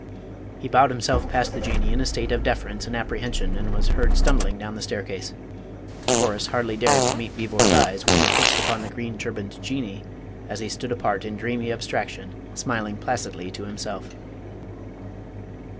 He bowed himself past the Jinnee in a state of deference and apprehension, and was heard stumbling down the staircase. Horace hardly dared to meet Beevor's eyes, which were fixed upon the green turbaned Jinnee, as he stood apart in dreamy abstraction, smiling placidly to himself.